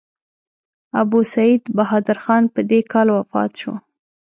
ابوسعید بهادر خان په دې کال وفات شو.